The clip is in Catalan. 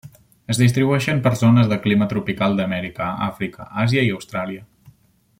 Es distribueixen per zones de clima tropical d'Amèrica, Àfrica, Àsia i Austràlia.